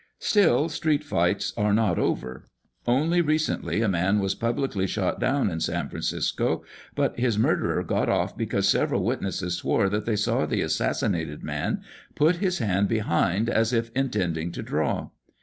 Still, street fights are not over. Only re cently, a man was publicly shot down in San Francisco; but his murderer got off because several witnesses swore that they saw the assassinated man " put his hand behind, as if intending to draw."